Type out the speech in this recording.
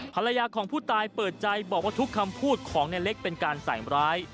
ภรรยาของผู้ตายเปิดใจบอกว่าทุกคำพูดของในเล็กเป็นการใส่ร้าย